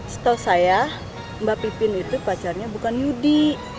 setahu saya mbak pipin itu pacarnya bukan yudi